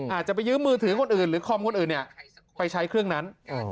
อาจจะไปยืมมือถือคนอื่นหรือคอมคนอื่นไปใช้เครื่องนั้น